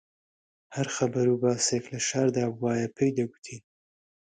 هەر خەبەر و باسێک لە شاردا بوایە پێی دەگوتین